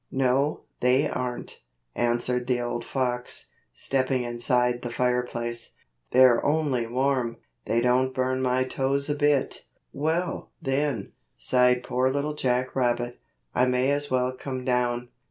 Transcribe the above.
"No, they aren't," answered the old fox, stepping inside the fireplace, "they're only warm; they don't burn my toes a bit." "Well, then," sighed poor Little Jack Rabbit, "I may as well come down."